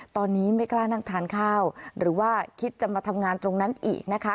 ตอนนี้ไม่กล้านั่งทานข้าวหรือว่าคิดจะมาทำงานตรงนั้นอีกนะคะ